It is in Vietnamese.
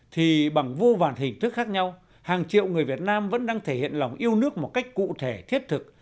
thì bằng vô vàn hình thức khác nhau hàng triệu người việt nam vẫn đang thể hiện lòng yêu nước một cách cụ thể thiết thực